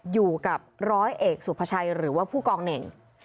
อยู่กับร้อยเอกสุภาชัยหรือว่าผู้กองเน่ง